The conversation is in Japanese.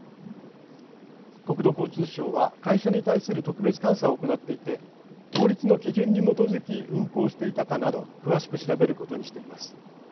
国土交通省は会社に対する特別監査を行っていて法律の基準に基づき運航していたかなど詳しく調べることにしています。